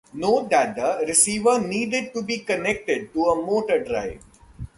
Note that the receiver needed to be connected to a motor drive.